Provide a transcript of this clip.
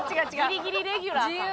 ギリギリレギュラーさん。